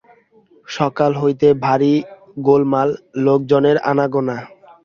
সকাল হইতে ভারি গোলমাল, লোকজনের আনাগোনা।